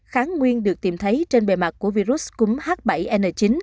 kháng nguyên được tìm thấy trên bề mặt của virus cúm h bảy n chín